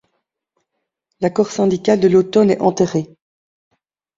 L’accord syndical de l'automne est enterré.